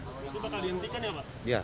itu bakal dihentikan ya pak